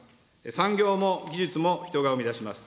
産業も技術も人が生み出します。